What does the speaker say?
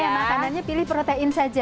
ya makanannya pilih protein saja